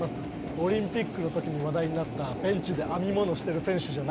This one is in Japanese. オリンピックの時に話題になったベンチで編み物してる選手じゃないから。